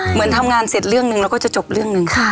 เหมือนทำงานเสร็จเรื่องหนึ่งเราก็จะจบเรื่องหนึ่ง